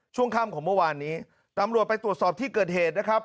ช่วงค่ำของเมื่อวานนี้ตำรวจไปตรวจสอบที่เกิดเหตุนะครับ